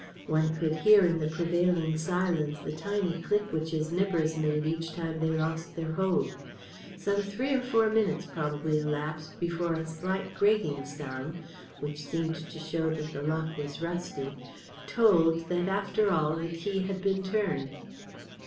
One could hear in the prevailing silence the tiny click which his nippers made each time they lost their hold. Some three or four minutes probably elapsed before a slight grating sound which seemed to show that the lock was rusty told that, after all, the key had been turned.